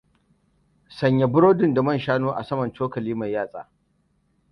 Sanya burodin da man shanu a saman cokali mai yatsa.